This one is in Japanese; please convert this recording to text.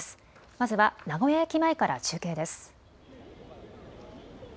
まずは名古屋駅前から中継です。